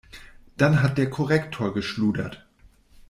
Dann hat der Korrektor geschludert.